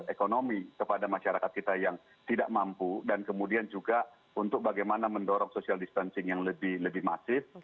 ekonomi kepada masyarakat kita yang tidak mampu dan kemudian juga untuk bagaimana mendorong social distancing yang lebih masif